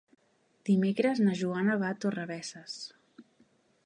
Dimecres na Joana va a Torrebesses.